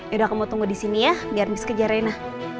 yaudah kamu tunggu di sini ya biar miss kejar reina